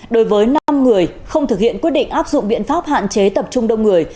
đối với năm người không thực hiện quyết định áp dụng biện pháp hạn chế tập trung đông người